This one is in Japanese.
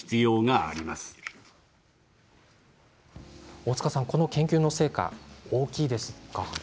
大塚さん、この研究の成果大きいですか？